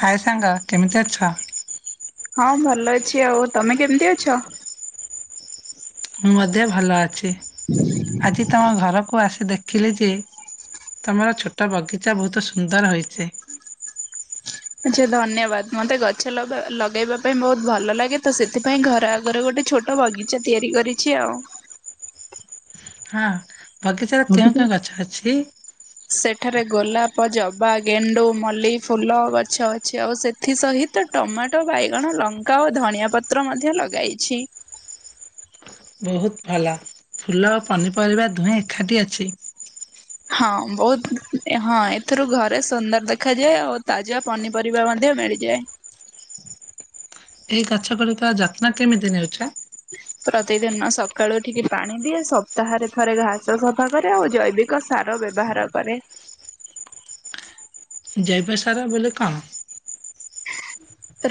ହାଏ ସାଙ୍ଗ କେମିତି ଅଛ। ହଁ ଭଲ ଅଛି, ଆଉ ତମେ କେମିତି ଅଛ। ମୋ ଦେହ ଭଲ ଅଛି। ଆଜି ତମ ଘରକୁ ଆସୁ [unintelligible] ଦେଖିଲି ଯେ ତମର ଛୋଟ ବଗିଚା ବହୁତ ସୁନ୍ଦର ହୋଇଛି ଆଚ୍ଛା, ଧନ୍ୟବାଦ। ମତେ ଗଛ ଲଗା ଲଗେଇବା ପାଇଁ ବହୁତ ଭଲ ଲାଗେ, ତ ସେଥିପାଇଁ ଘର ଆଗରେ ଗୋଟେ ଛୋଟ ବଗିଚା ତିଆରି କରିଛି ଆଉ ହଁ। ବଗିଚାରେ କେଉଁ କେଉଁ ଗଛ ଅଛି। ଏଠାରେ ଗୋଲାପ, ଜବା, ଗେଣ୍ଡୁ, ମଲ୍ଲି ଫୁଲ ଗଛ ଅଛି। ଆଉ ସେଥି ସହିତ ଟମାଟୋ, ବାଇଗଣ ଲଙ୍କା ଓ ଧନିଆ ପତ୍ର ମଧ୍ୟ ଲଗାଇଛି। ବହୁତ ଭଲ ଫୁଲ ପନିପରିବା ଦୁହେଁ ଏକାଠି ଅଛି। ହଁ ବହୁତ ହଁ ଏଥିରୁ ଘରେ ସୁନ୍ଦର ଦେଖାଯାଏ ଆଉ ତାଜା ପନିପରିବା ମଧ୍ୟ ମିଳିଯାଏ। ଏଇ ଗଛ ଗୁଡିକ ଯତ୍ନ କେମିତି ନେଉଛ ପ୍ରତିଦିନ ସକାଳୁ ଠିକେ ପାଣି ଦିଏ ସପ୍ତାହରେ ଥରେ ଘାସ ସଫା କରେ ଆଉ ଜୈବିକ ସାର ବ୍ୟବହାର କରେ ଜୈବ ସାର ବୋଲେ କଣ?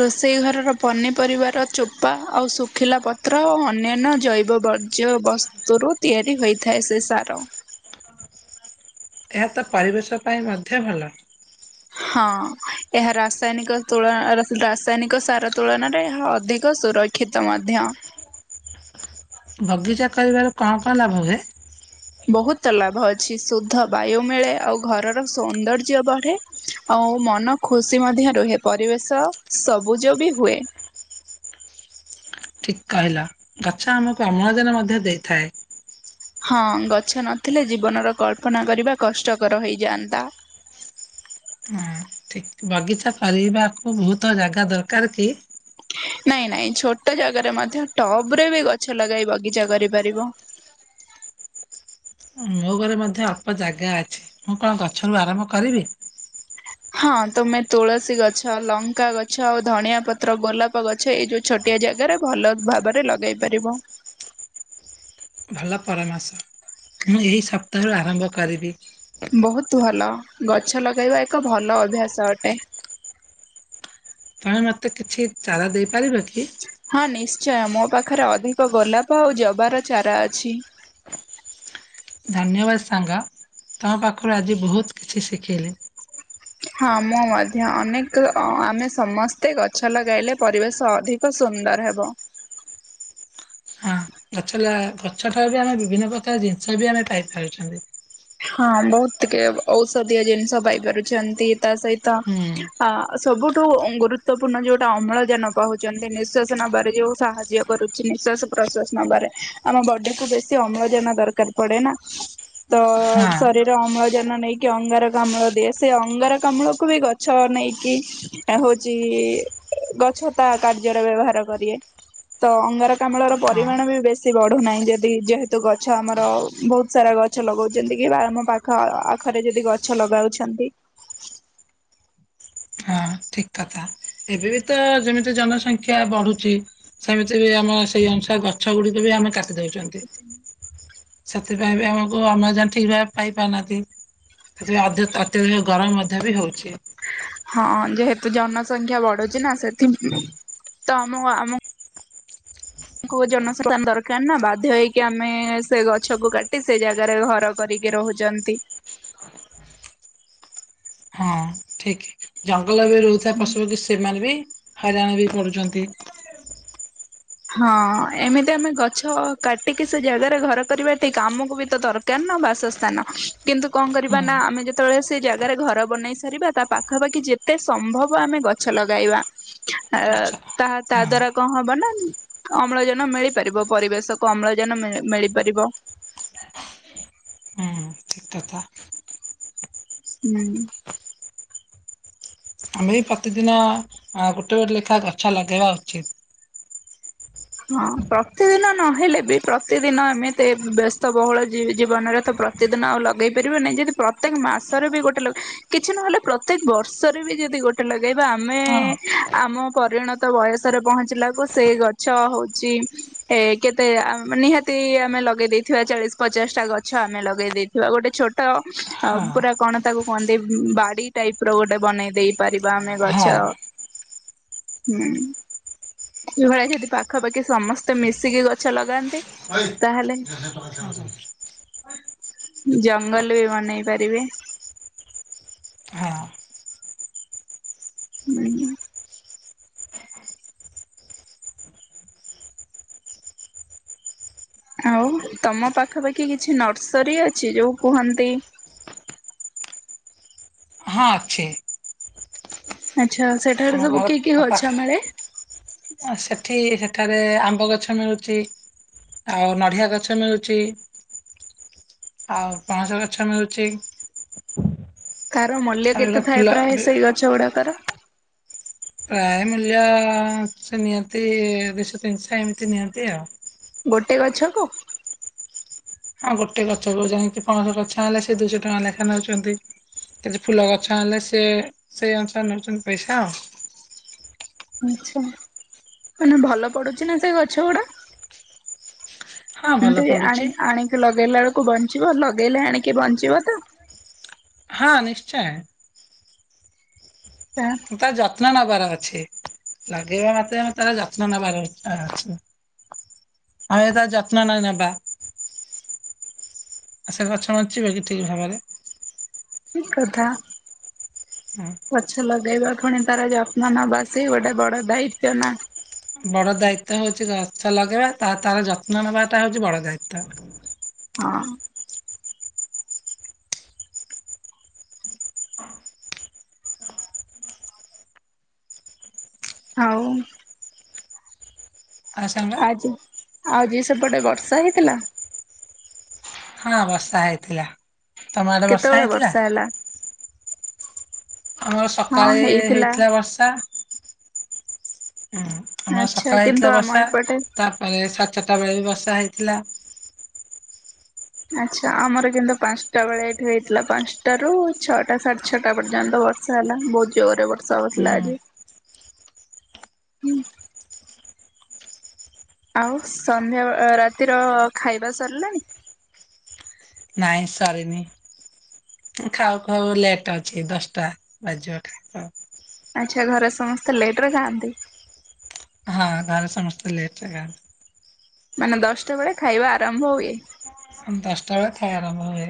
ରୋଷେଇ ଘରର ପନିପରିବାର ଚୋପା ଆଉ ଶୁଖିଲା ପତ୍ର ଓ ଅନ୍ୟାନ୍ୟ ଜୈବ ବର୍ଜ୍ୟ ବସ୍ତୁରୁ ତିଆରି ହୋଇଥାଏ ସେ ସାର ଏହା ତ ପରିବେଶ ପାଇଁ ମଧ୍ୟ ଭଲ। ହଁ ଏହା ରାସାୟନିକ ତୁଳ ରାସାୟନିକ ସାର ତୁଳନାରେ ଏହା ଅଧିକ ସୁରକ୍ଷିତ ମଧ୍ୟ ବଗିଚା କରିବାରୁ କଣ କଣ ଲାଭ ହୁଏ? ବହୁତ ଲାଭ ଅଛି ଶୁଦ୍ଧ ବାୟୁ ମିଳେ ଆଉ ଘରର ସୌନ୍ଦର୍ଯ୍ୟ ବଢେ ଆଉ ମନ ଖୁସି ମଧ୍ୟ ରୁହେ ପରିବେଶ ସବୁଜ ବି ହୁଏ।। ଠିକ କହିଲ ଗଛ ଆମକୁ ଅମ୍ଳଜାନ ମଧ୍ୟ ଦେଇଥାଏ।। ହଁ ଗଛ ନଥିଲେ ଜୀବନର କଳ୍ପନା କରିବା କଷ୍ଟକର ହେଇଯାଆନ୍ତା।। ହଁ ଠିକ୍ ବଗିଚା କରିବାକୁ ବହୁତ ଜାଗା ଦରକାର କି? ନାଇଁ ନାଇଁ ଛୋଟ ଜାଗାରେ ମଧ୍ୟ ଟପ ରେ ବି ଗଛ ଲଗାଇ ବଗିଚା କରିପାରିବ।। ମୋ ଘରେ ମଧ୍ୟ ଅଳ୍ପ ଜାଗା ଅଛି ମୁଁ କଣ ଗଛରୁ ଆରମ୍ଭ କରିବି।। ହଁ ତମେ ତୁଳସୀ ଗଛ ଲଙ୍କା ଗଛ ଆଉ ଧଣିଆ ପତ୍ର ଗୋଲାପ ଗଛ ଏଇ ଯୋଉ ଛୋଟିଆ ଜାଗାରେ ଭଲ ଭାବରେ ଲଗେଇ ପାରିବ।। ଭଲ ପରାମର୍ଶ ମୁଁ ଏହି ସପ୍ତାହରୁ ଆରମ୍ଭ କରିବି।। ବହୁତ ଭଲ ଗଛ ଲଗେଇବା ଏକ ଭଲ ଅଭ୍ୟାସ ଅଟେ।। ତମେ ମତେ କିଛି ଚାରା ଦେଇପାରିବ କି? ହଁ ନିଶ୍ଚ ଆଛା ମୋ ପାଖରେ ଅଧିକ ଗୋଲାପ ଆଉ ଜବାର ଚାରା ଅଛି ଧନ୍ୟବାଦ ସାଙ୍ଗ।। ତମ ପାଖରୁ ଆଜି ବହୁତ କିଛି ଶିଖିଲି।। ହଁ ମୁଁ ମଧ୍ୟ ଅନେକ ଆମେ ସମସ୍ତେ ଗଛ ଲଗାଇଲେ ପରିବେଶ ଅଧିକ ସୁନ୍ଦର ହବ।। ହଁ ଗଛ ଗଛ ଠାରୁ ବି ଆମେ ବିଭିନ୍ନ ପ୍ରକାର ଜିନିଷ ବି ଆମେ ପାଇପାରୁଛନ୍ତି।। ହଁ ବହୁତ ଟିକେ ଔଷଧୀୟ ଜିନିଷ ପାଇପାରୁଛନ୍ତି।। ତା ସହିତ ହୁଁ ଅ ସବୁଠୁ ଗୁରୁତ୍ୱପୂର୍ଣ୍ଣ ଯୋଉଟା ଅମ୍ଳଜାନ ପାଉଛନ୍ତି ନିଶ୍ୱାସ ସ ନେବାରେ ଯୋଉ ସାହାଯ୍ୟ କରୁଛି ନିଶ୍ୱାସ ପ୍ରଶ୍ଵାସ ନେବାରେ ଆମ ବଡି କୁ ବେଶୀ ଅମ୍ଳଜାନ ଦରକାର ପଡେ ନା।। ତ ହଁ ଶରୀର ଅମ୍ଳଜାନ ନେଇକି ଅଙ୍ଗାରକାମ୍ଳ ଦିଏ ସେ ଅଙ୍ଗାରକାମ୍ଳ କୁ ବି ଗଛ ନେଇକି ହଉଛି ଗଛ ତା କାର୍ଯ୍ୟରେ ବ୍ୟବହାର କରଏ ତ ଅଙ୍ଗାରକାମ୍ଳ ର ହଁ ପରିମାଣ ବି ବେଶୀ ବଢୁନାହିଁ ଯଦି ଯେହେତୁ ଗଛ ଆମର ବହୁତ ସାରା ଗଛ ଗଛ ଲଗାଉଛନ୍ତି କି ଆମ ପାଖ ଆଖରେ ଯଦି ଗଛ ଲଗାଉଛନ୍ତି ହଁ ଠିକ କଥା ଏବେ ବି ତ ଯେମିତି ଜନସଂଖ୍ୟା ବଢୁଚି ସେମିତି ବି ଆମ ସେଇ ଅନୁସାରେ ଗଛ ଗୁଡିକ ବି ଆମେ କା ଦେଇଛନ୍ତି ସେଥିପାଇଁ ବି ଆମକୁ ଅମ୍ଳଜାନ ଠିକ ଭାବେ ପାଇ ପାରୁନାହାନ୍ତି ସେଥିପାଇଁ ଅତ୍ୟଧିକ ଗରମ ମଧ୍ୟ ବି ହଉଛି ହଁ ଯେହେତୁ ଜନସଂଖ୍ୟା ବଢୁଛି ନା ସେଥି ତ ଆମ ଆମ ଆଙ୍କୁ ଜନସାଧାରଣ ଦରକାର ନା ବାଧ୍ୟ ହେଇକି ଆମେ ସେ ଗଛ କ କାଟି ସେ ଜାଗାରେ ଘର କରିକି ରହୁଛନ୍ତି ହଁ ଠିକ ଜା ଭଲରେ ବି ରହୁଥିବା ହୁଁ। ପଶୁପକ୍ଷୀ ସେମାନେ ବି ହଇରାଣ ବି ପଢୁଛନ୍ତି ହଁ ଏମିତି ଆମେ ଗଛ କାଟିକି ସେ ଜାଗାରେ ଘର କରିବା ଠିକ ଆମକୁ ବି ତ ଦରକାର ନା ବାସସ୍ଥାନ କିନ୍ତୁ କଣ ହୁଁ କରିବା ନା ଆମେ ଯେତେବେଳେ ସେ ଜାଗାରେ ଘର ବନେଇ ସାରିବା ତା ପାଖାପାଖି ଯେତେ ସମ୍ଭବ ଆମେ ଗଛ ଲଗାଇବା ଅ ଆଚ୍ଛା ତା ତା ହଁ ଦ୍ଵାରା କଣ ହବ ନା ଅମ୍ଳଜାନ ମିଳିପାରିବ ପରିବେଶକୁ ଅମ୍ଳଜାନ ମିଳି ମିଳିପାରିବ ହୁଁ ଠିକ କଥା ହୁଁ ଆମେ ବି ପ୍ରତିଦିନ ଆଁ ଗୋଟେ ଗୋଟେ ଲେଖା ଗଛ ଲଗେଇବା ଉଚିତ ହଁ ପ୍ରତିଦିନ ନହେଲେ ବି ପ୍ରତିଦିନ ଏମିତି ବ୍ୟସ୍ତ ବହୁଳ ଜି ଜୀବନରେ ତ ପ୍ରତିଦିନ ଆଉ ଲଗେଇ ପାରିବନି ଯଦି ପ୍ରତ୍ୟେକ ମାସରେ ବି ଗୋଟେ ଲ କିଛି ନହେଲେ ପ୍ରତ୍ୟେକ ବର୍ଷରେ ବି ଯଦି ଗୋଟେ ଲ ଲଗେଇବା ଆମେ ହଁ ଆମ ପରିଣତ ବୟସରେ ପହଞ୍ଚିଲାକୁ ସେଇ ଗ ଗଛ ହଉଚି ଏ କେତେ ନିହାତି ଆମେ ଲଗେଇ ଦେଇଥିବା ଚାଳିଶ ପଚାଶ ଟା ଗଛ ଆମେ ଲଗେଇ ଦେଇଥିବା ଗୋଟେ ଛୋଟ ହଁ ପୁରା କଣ ତାକୁ କୁହନ୍ତି ବାଡି ଟାଇପ ର ଗୋଟେ ବନେଇ ଦେଇ ପାରିବା ଆମେ ଗଛ ହଁ ହୁଁ ଏଭଳିଆ ଯଦି ପାଖାପାଖି ସମସ୍ତେ ମିଶିକି ଗଛ ଲଗାନ୍ତି ତାହେଲେ ଜଙ୍ଗଲ ବି ବନେଇ ପାରିବେ ହଁ ହୁଁ ଆଉ ତମ ପାଖାପାଖି କିଛି ନର୍ସରୀ ଅଛି ଯୋଉ କୁହନ୍ତି ହଁ ଅଛି ଆଚ୍ଛା ସେଠାରେ ଆମ ସବୁ କି କି ଗଛ ଆମର ଆ ସେଠି ସେଠାରେ ଆମ୍ବ ଗଛ ମିଳୁଚି ଆଉ ନଡ଼ିଆ ଗଛ ମିଳୁଚି। ଆଉ ପଣସ ଗଛ ମିଳୁଚି? ତାର ମୂଲ୍ୟ କେତେ ଥାଏ ଫୁଲ ପ୍ରାୟ ବି ସେଇ ଗଛ ଗୁଡାକର। [inaudible] ପ୍ରାୟ ମୂଲ୍ୟ ସେ ନିଅନ୍ତି ଦୁଇଶହ ତିନିଶହ ଏମିତି ନିଅନ୍ତି ଆଉ। ଗୋଟେ ଗଛ କୁ ହଁ ଗୋଟେ ଗଛକୁ ଯାଇକି ପଣସ ଗଛ ହେଲେ ସେ ଦୁଇଶହ ଟଙ୍କା ଲେଖା ନେଉଛନ୍ତି କିଛି ଫୁଲ ଗଛ ହେଲେ ସେ ସେଇ ଅନୁସାରେ ନେଉଛନ୍ତି ପଇସା ଆଉ। ଆଚ୍ଛା ମାନେ ଭଲ ପଡୁଛି ନା ସେ ଗଛ ଗୁଡା। ହଁ ଭଲ ଏମିତି ପଡୁଛି ଆଣି ଆଣିକି ଲଗେଇଲା ଳୁ କୁ ବଞ୍ଚିବ ଲଗେଇଲେ ଆଣିକି ବଞ୍ଚିବ ତ? ହଁ ନିଶ୍ଚୟ। ହଁ ତା ଯତ୍ନ ନ ନବାର ଅଛି ଲଗେଇବା ମାତ୍ରେ ଆମେ ତାର ଯତ୍ନ ନବାର ଅ ଅଛି ଆମେ ତାର ଯତ୍ନ ନାଇ ନବା ଆ ସେ ଗଛ ବଞ୍ଚିବ କି ଠିକ ଭାବରେ ଠିକ୍ କଥା ହୁଁ। ଗଛ ଲଗେଇବା ପୁଣି ତାର ଯତ୍ନ ନବା ସେ ଗୋଟେ ବଡ ଦାୟିତ୍ଵ ନା। ବଡ ଦାୟିତ୍ଵ ହଉଛି ଗଛ ଲଗେଇବା ତା ତାର ଯତ୍ନ ନବାଟା ହଉଚି ବଡ ଦାୟିତ୍ଵ। ହଁ। ହଉ। ଆ ସାଙ୍ଗେ ଆଉ ଯିଏ ସେପଟେ ବର୍ଷା ହେଇଥିଲା। ହଁ ବର୍ଷା ହେଇଥିଲା। ତମ ଆଡେ କେତେବେଳେ ହେଇଥିଲା? ବର୍ଷା ହେଲା? ଆମର ସକାଳେ ଏ ହେଇଥିଲା ବର୍ଷା। ହୁଁ ଆମର ଆଚ୍ଛା ସକାଳେ କିନ୍ତୁ ହେଇଥିଲା ଆମ ବର୍ଷା ଏପଟେ ତାପରେ ଶା ଛୋଟା ବେଳେ ବି ବର୍ଷା ହେଇଥିଲା। ଆଚ୍ଛା ଆମର କିନ୍ତୁ ପାଞ୍ଚଟା ବେଳେ ଏଇଠି ହେଇଥିଲା ପାଞ୍ଚଟା ରୁ ଛଅଟା ସାଢେ ଛଅଟା ପର୍ଯ୍ୟନ୍ତ ବର୍ଷା ହେଲା ବହୁତ ଜୋରରେ ବର୍ଷା ହଉଥିଲା ହୁଁ ଆଜି ହୁଁ। ଆଉ ସନ୍ଧ୍ୟା ରାତିର ଖାଇବା ସରିଲାଣି? ନାଇଁ ସରିନି ଖାଉ ଖାଉ ଲେଟ୍ ଅଛି ଦଶଟା ବାଜିବ ଖାଇ ଆଚ୍ଛା ଘରେ ସମସ୍ତେ ଲେଟ ରେ ଖାଆନ୍ତି। ହଁ ଘରେ ସମସ୍ତେ ଲେଟ ରେ ଖାଆନ୍ତି। ମାନେ ଦଶଟା ବେଳେ ଖାଇବା ଆରମ୍ଭ ହୁଏ। ଦଶଟା ବେଳେ ଖାଇବା ଆରମ୍ଭ ହୁଏ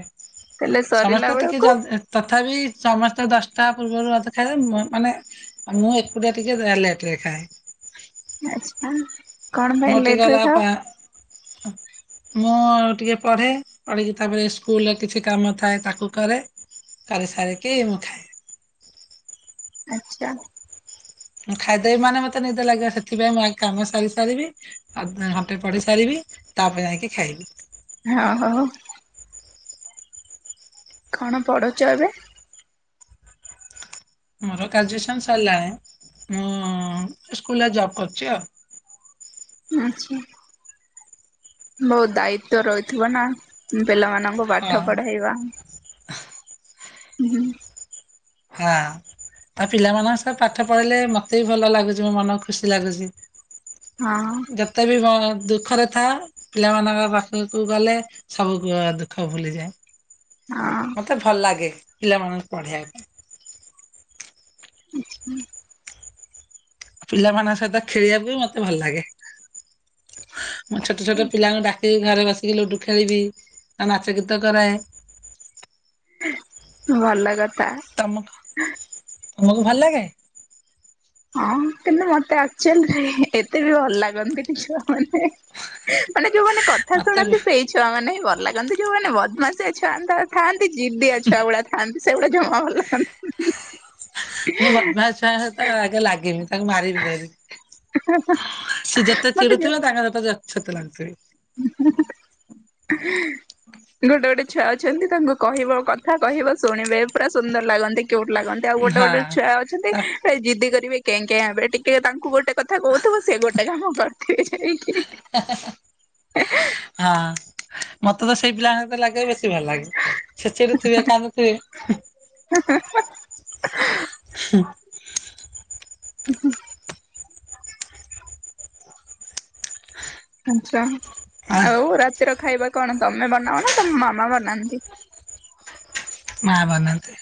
ତାହେଲେ ସରିଲା ସମସ୍ତେ ଟିକେ ବେଳକୁ ଜଲଦି ତଥାପି ସମସ୍ତେ ଦଶଟା ପୂର୍ବରୁ [unintelligible] ମାନେ ମୁଁ ଏକୁଟିଆ ଟିକେ ଆ ଲେଟରେ ଖାଏ। ଆଚ୍ଛା। କଣ ମୋର ପାଇଁ ଟିକେ ଲେଟ ରେ ଗଲା ଖାଅ? ପା ମୁଁ ଟିକେ ପଢେ ପଢିକି ତାପରେ ସ୍କୁଲରେ କିଛି କାମ ଥାଏ ତାକୁ କରେ କରି ସାରିକି ମୁଁ ଖାଏ। ଆଛା। ହଁ ଖାଇଦେବ ମାନେ ମତେ ନିଦ ଲାଗିବ ସେଥିପାଇଁ ମୁଁ ଆଗ କାମ ସାରି ସାରିବି ଘଣ୍ଟେ ପଢି ସାରିବି ତାପ ଯାଇକି ଖାଇବି। ହଁ ହ। କଣ ପଢୁଛ ଏବେ? ମୋର ଗ୍ରାଜୁଏସନ୍ ସରିଲାଣି, ମୁଁ ସ୍କୁଲ୍ ରେ ଜବ୍ କରୁଚି ଆଉ। ଆଚ୍ଛା। ବହୁତ ଦାୟିତ୍ଵ ରହିଥିବ ନା ଉଁ, ପିଲାମାନ ଆଙ୍କୁ ହଁ ପାଠ ପଢେଇବା। ଉଁ, ହୁଁ। ହଁ ତ ପିଲାମାନଙ୍କ ସହ ପାଠ ପଢିଲେ ମୋତେ ବି ଭଲ ଲାଗୁଛି ମୋ ମନ ଖୁସି ଲାଗୁଛି। ହଁ ଯେତେ ବି ମୋ ଦୁଃଖରେ ଥା ପିଲାମାନଙ୍କ ପାଖକୁ ଗଲେ ସବୁ ଅ, ଦୁଃଖ ଭୁଲିଯାଏ। ହଁ। ମୋତେ ଭଲ ଲାଗେ ପିଲାମାନଙ୍କୁ ପଢେଇବା ପାଇଁ। ପିଲାମାନଙ୍କ ସହିତ ଖେଳିବାକୁ ମୋତେ ଭଲ ଲାଗେ। ମୁଁ ଛୋଟ ଛୋଟ ପିଲାଙ୍କୁ ଡାକ ସେ ଘରେ ବସିକି ଲୁଡୁ ଖେଳିବି ଓ ନାଚ ଗୀତ କରାଏ। ଭଲ କ ତା ତୋମକୁ ଭଲ ଲାଗେ? ହଁ କିନ୍ତୁ ମୋତେ ଆକ୍ଚୁଲରେ ଏତେ ବି ଭଲ ଲାଗନ୍ତି ନି ଛୁଆମାନେ। ମାନେ ମାନେ ଯୋଉମାନେ କଥା ମତେ ଶୁଣନ୍ତି ସେଇ ଛୁଆ ମାନେ ହିଁ ଭଲ ଲାଗ ଚନ୍ତି ଯୋଉ ମାନେ ବଦମାସିଆ ଛୁଆ ମାନେ ଥର ଥାଆ ସେ ଜିଦିଆ ଛୁଆ ଗୁଡା ଥାଆନ୍ତି ସେଗୁଡା ଜମା ଭଲ ଲଗନ୍ତିନି। [unintelligible] ତାଙ୍କୁ ମାରିବି ଧରି। ସେ ଯେତେ ମତେ ଚିଡୁଥିବ ମୁଁ ତାଙ୍କ ହାତ ଯେ ସେତେ ଲାଗୁଥିବି। [inaudible] ଗୋଟେ ଗୋଟେ ଛୁଆ ଅଛନ୍ତି ତାଙ୍କୁ କହିବ କଥା କହିବ ଶୁଣିବେ ପୁରା ସୁନ୍ଦର ଲାଗନ୍ତି। କ୍ୟୁଟ ଲାଗନ୍ତି। ଆଉ ଗୋଟେ ହଁ। ଛୁଆ ଅଛନ୍ତି ତାକ୍ ଏଇ ଜିଦି କରିବେ କେଁ କେଁ ଏବେ ଟିକେ ତାଙ୍କୁ ଗୋଟେ କଥା କହୁଥୁବୁ ସେ ଗୋଟେ କାମ କରିଥିବେ ଯାଇକି। ହଁ। ମୋତେ ତ ସେଇ ପିଲାଙ୍କ ସହିତ ଲାଗିବାକୁ ବେଶ ଭଲ ଲାଗେ। ସେ ଚିଡୁ ଥିବେ କାନ୍ଦୁ ଥବେ। ହୁଁ, [inaudible] ଆଚ୍ଛା। ଆଉ ରାତିର ଖାଇବା କଣ ତୋମେ ବନାଅ ନା, ତୋମ ମାମା ବନାନ୍ତି? ମା ବନାନ୍ତି।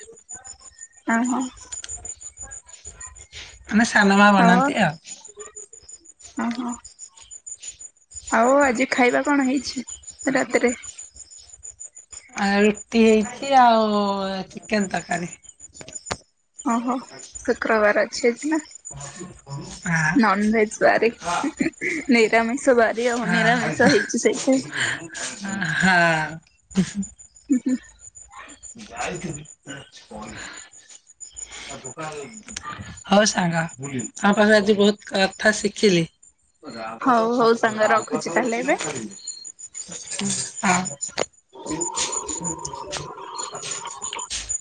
ଅଁ, ହଁ। ମାନେ ସାନ ମା ଆଉ ବନାନ୍ତି ଆଉ। ଓହୋ। ଆଉ ଆଜି ଖାଇବା କଣ ହେଇଛି ରାତିରେ। ଆ ରୁଟି ହେଇଛି ଆଉ ଚିକେନ ତରକାରୀ। ଓହୋ ଶୁକ୍ରବାର ଆଜି। ଚେ। ଆ। [inaudible] ତାମାନେ। ହାଁ ହଁ ହାଁ। ଉଁ ହୁଁ। ହଉ ସାଙ୍ଗ ତମ ପାଖରେ ଆଜି ବହୁତ କଥା ଶିଖିଲି। ରାଗ ହଉ ହଉ ଛାତି ର ସାଙ୍ଗ ରାଗ ତ ରଖୁଛି ତାହେଲେ ହଉଚି ଏବେ। ଛାଡିବିନି। ହଁ। ଉଁ ହୁଁ ହୁଁ। [inaudible]